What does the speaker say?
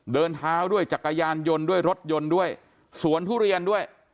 เดินเท้าด้วยจักรยานยนต์ด้วยรถยนต์ด้วยสวนทุเรียนด้วย